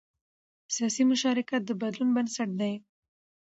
سیاسي مشارکت د بدلون بنسټ دی